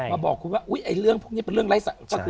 บอกคุณว่าเรื่องพวกนี้เป็นเรื่องไร้สาร